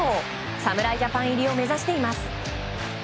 侍ジャパン入りを目指しています。